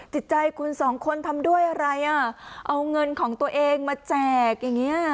จิตใจคุณสองคนทำด้วยอะไรอ่ะเอาเงินของตัวเองมาแจกอย่างเงี้ย